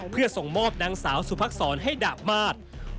เพื่อส่งมอบนางสาวสุภักษรให้ดาบมาตร